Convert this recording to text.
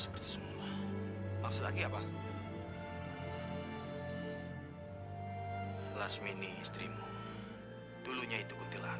saat ini bapak ingin kamu ingin kembali tenang